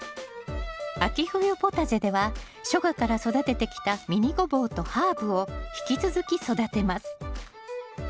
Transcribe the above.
秋冬ポタジェでは初夏から育ててきたミニゴボウとハーブを引き続き育てます。